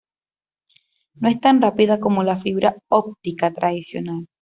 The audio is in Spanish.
No es tan rápida como la fibra óptica tradicional.